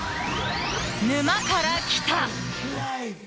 「沼から来た。」。